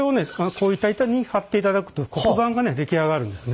こういった板に貼っていただくと黒板がね出来上がるんですね。